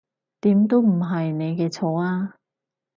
點都唔係你嘅錯呀